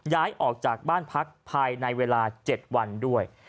ย้ายออกจากบ้านพักภายในเวลา๗วันด้วย